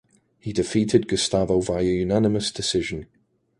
He defeated Gustavo via unanimous decision.